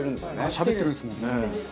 しゃべってるんですもんね。